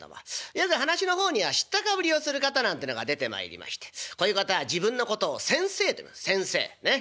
よく噺の方には知ったかぶりをする方なんてのが出てまいりましてこういう方は自分のことを先生といいます先生ねっ。